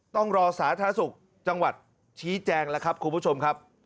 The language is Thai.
ต้องรอสาธารณสุขจังหวัดชี้แจงแล้วครับคุณผู้ชมครับ